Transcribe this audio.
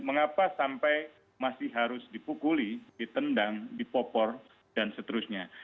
mengapa sampai masih harus dipukuli ditendang dipopor dan seterusnya